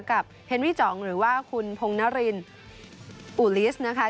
เฮนวี่จองหรือว่าคุณพงนรินอุลิสนะคะ